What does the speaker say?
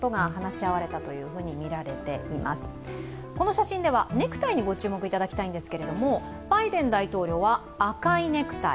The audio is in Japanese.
この写真ではネクタイにご注目いただきたいんですが、バイデン大統領は赤いネクタイ。